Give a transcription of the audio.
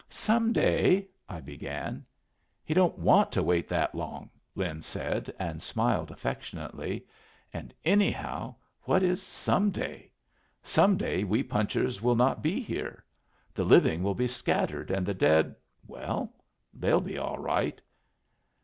"Some day " I began. "He don't want to wait that long," Lin said, and smiled affectionately. "And, anyhow, what is 'some day'? Some day we punchers will not be here. The living will be scattered, and the dead well, they'll be all right.